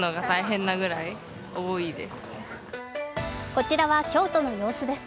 こちらは京都の様子です。